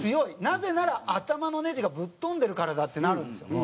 なぜなら頭のネジがぶっ飛んでるからだってなるんですよ。